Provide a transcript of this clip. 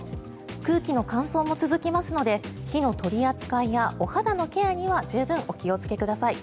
空気の乾燥も続きますので火の取り扱いやお肌のケアには十分お気をつけください。